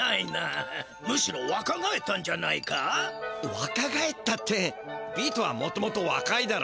わか返ったってビートはもともとわかいだろ。